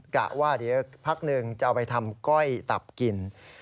กะว่าเดี๋ยวพักหนึ่งจะเอาไปทำก้อยตับกิน